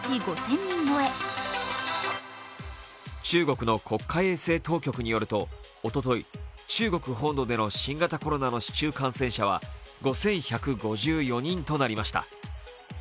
中国の国家衛生当局によるとおととい、中国本土での新型コロナの市中感染者は５１５４人となりました。